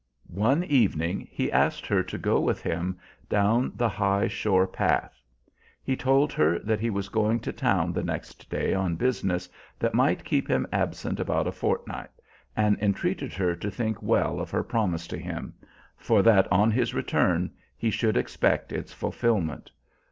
One evening he asked her to go with him down the high shore path. He told her that he was going to town the next day on business that might keep him absent about a fortnight, and entreated her to think well of her promise to him, for that on his return he should expect its fulfillment.